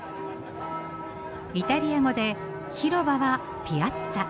イタリア語で「広場」は「ピアッツァ」。